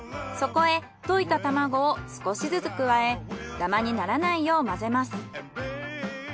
そこへ溶いた卵を少しずつ加えダマにならないよう混ぜます。